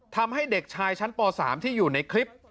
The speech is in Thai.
ทำให้เด็กชายชั้นป๓ที่อยู่ในคลิป